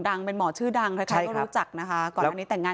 ดังเป็นหมอชื่อดังใช่ค่ะก็รู้จักนะคะก่อนนี้แต่งงาน